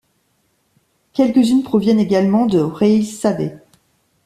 Quelques-unes proviennent également de Rey, Saveh.